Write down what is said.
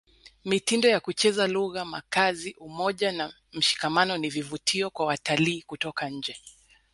mitindo ya kucheza lugha makazi umoja na mshikamano ni vivutio kwa watalii kutoka nje